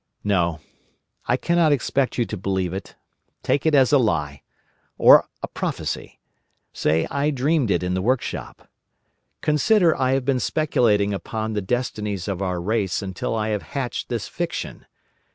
"No. I cannot expect you to believe it. Take it as a lie—or a prophecy. Say I dreamed it in the workshop. Consider I have been speculating upon the destinies of our race, until I have hatched this fiction.